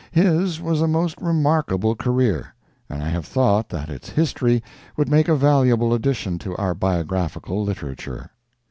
His was a most remarkable career, and I have thought that its history would make a valuable addition to our biographical literature.